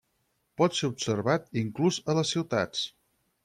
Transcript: Pot ser observat inclús a les ciutats.